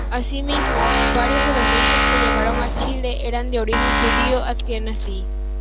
Asimismo, varios de los rusos que llegaron a Chile eran de origen judío asquenazí.